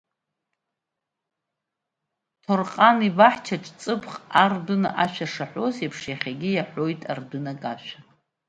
Ҭорҟан ибаҳчаҿы ҵыԥх ардәына ашәа шаҳәоз еиԥш, иахьагьы иаҳәоит ардәынак ашәа…